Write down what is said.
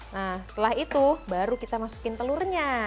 nah setelah itu baru kita masukin telurnya